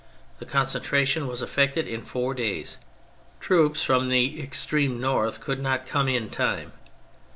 The concentra tion was effected in four days. Troops from the extreme north could not come in time.